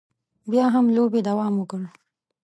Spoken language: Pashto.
بیا هم لوبې دوام وکړ.